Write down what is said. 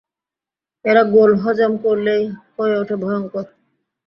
এরা গোল হজম করলেই হয়ে ওঠে ভয়ংকর